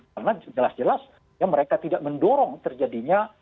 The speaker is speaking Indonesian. karena jelas jelas ya mereka tidak mendorong terjadinya